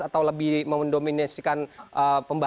atau lebih mendominasikan pembaru